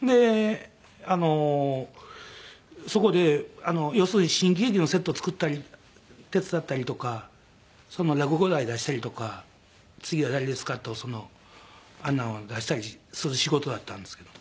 そこで要するに新喜劇のセット作ったり手伝ったりとか落語台出したりとか次は誰ですかとあんなんを出したりする仕事やったんですけど。